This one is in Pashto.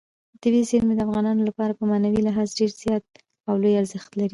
طبیعي زیرمې د افغانانو لپاره په معنوي لحاظ ډېر زیات او لوی ارزښت لري.